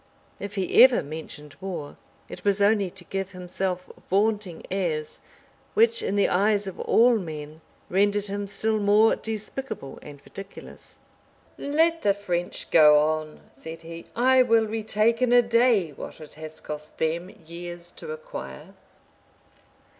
If he ever mentioned war, it was only to give himself vaunting airs, which, in the eyes of all men, rendered him still more despicable and ridiculous. "Let the French go on," said he; "I will retake in a day what it has cost them years to acquire."